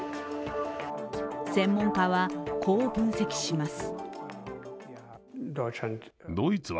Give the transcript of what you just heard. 専門家は、こう分析します。